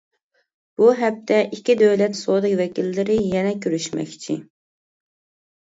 بۇ ھەپتە ئىككى دۆلەت سودا ۋەكىللىرى يەنە كۆرۈشمەكچى.